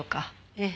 ええ。